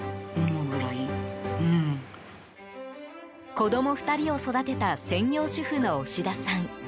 子供２人を育てた専業主婦の押田さん。